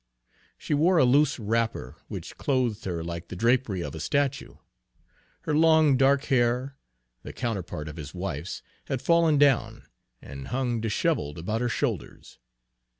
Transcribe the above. She wore a loose wrapper, which clothed her like the drapery of a statue. Her long dark hair, the counterpart of his wife's, had fallen down, and hung disheveled about her shoulders.